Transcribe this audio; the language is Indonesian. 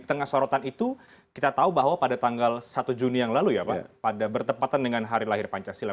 di tengah sorotan itu kita tahu bahwa pada tanggal satu juni yang lalu ya pak pada bertepatan dengan hari lahir pancasila